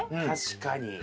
確かに。